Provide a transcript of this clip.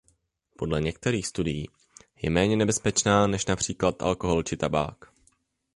Podle některých studií je méně nebezpečná než například alkohol či tabák.